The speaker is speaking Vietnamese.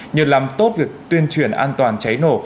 nhờ làm tốt việc tuyên truyền an toàn cháy nổ